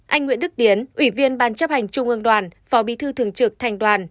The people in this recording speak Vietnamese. anh nguyễn đức điến ủy viên ban chấp hành trung ương đoàn phó bí thư thường trực thanh đoàn